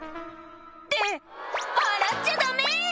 って洗っちゃダメ！